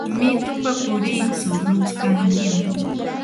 mitupa puritsu lutskankiymi.